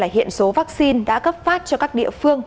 hiện số vaccine đã cấp phát cho các địa phương